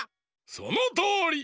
そのとおり！